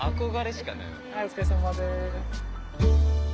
お疲れさまです。